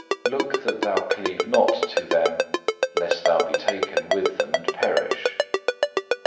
Look that thou cleave not to them lest thou be taken with them and perish.